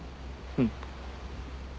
うん。